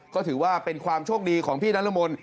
ก็ถือว่าเป็นความโชคดีของพี่นรมน